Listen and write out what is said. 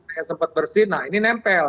saya sempat bersih nah ini nempel